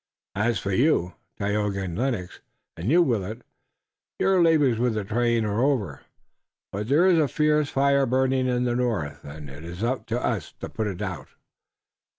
As for you, Tayoga and Lennox, and you, Willet, your labors with the train are over. But there is a fierce fire burning in the north, and it is for us to put it out.